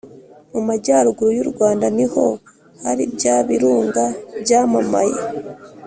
mu majyaruguru y'u rwanda ni ho hari bya birunga byamamaye